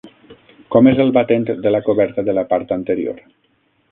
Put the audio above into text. Com és el batent de la coberta de la part anterior?